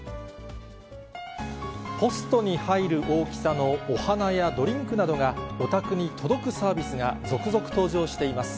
ポストに入る大きさのお花やドリンクなどが、お宅に届くサービスが続々登場しています。